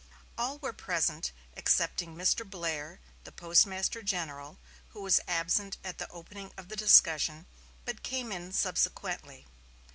All were present excepting Mr. Blair, the Postmaster General, who was absent at the opening of the discussion, but came in subsequently.